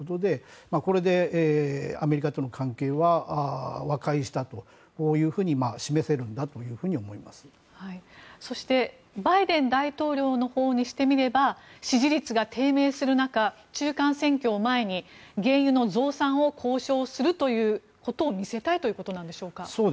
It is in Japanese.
これでアメリカとの関係は和解したと示せるんだとバイデン大統領のほうにしてみれば支持率が低迷する中中間選挙を前に原油の増産を交渉するということを見せたいということなんでしょうか。